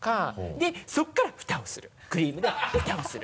でそこからフタをするクリームでフタをする。